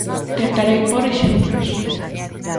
Tentarei pór exemplos.